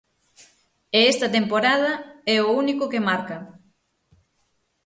E esta temporada é o único que marca.